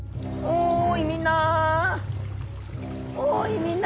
おいみんな。